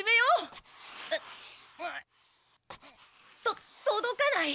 とっとどかない。